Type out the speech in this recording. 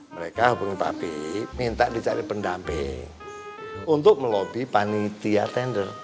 mereka hubungin papi minta dicari pendamping untuk melobby panitia tender